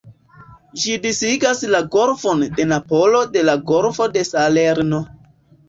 Ĝi disigas la Golfon de Napolo de la Golfo de Salerno.